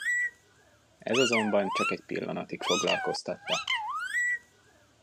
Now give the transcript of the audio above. Ez azonban csak egy pillanatig foglalkoztatta.